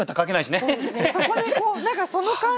そうですね